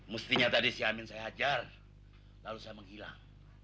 mestinya tadi si amin saya hajar lalu saya menghilang